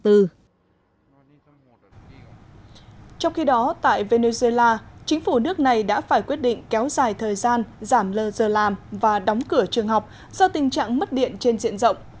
trong khi đó tại venezuela chính phủ nước này đã phải quyết định kéo dài thời gian giảm lờ giờ làm và đóng cửa trường học do tình trạng mất điện trên diện rộng